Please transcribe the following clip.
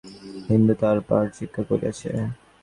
হিন্দু তাহার পাঠ শিক্ষা করিয়াছে।